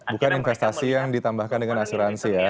bukan investasi yang ditambahkan dengan asuransi ya